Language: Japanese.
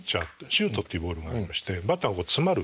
シュートっていうボールがありましてバッターがこう詰まる。